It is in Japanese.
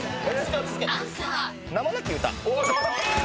⁉名もなき詩。